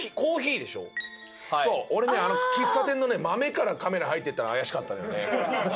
はいそう俺ねあの喫茶店のね豆からカメラ入っていったの怪しかったのよね